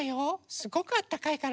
すごくあったかいから。